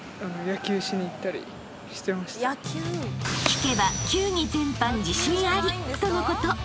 ［聞けば球技全般自信ありとのこと］